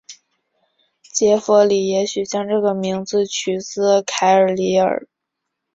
杰佛里也许将这个名字取自凯尔李尔。